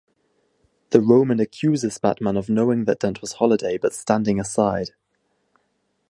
The Roman accuses Batman of knowing that Dent was Holiday but standing aside.